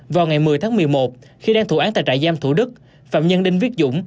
vào ngày một mươi tháng một mươi một khi đang thủ án tại trại giam thủ đức phạm nhân đinh viết dũng